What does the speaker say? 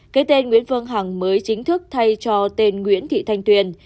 cái tên nguyễn vương hằng mới chính thức thay cho tên nguyễn thị thanh tuyền